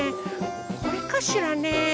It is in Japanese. これかしらね？